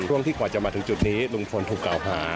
ช่วงที่กว่าจะมาถึงจุดนี้ลุงพลถูกกล่าวหา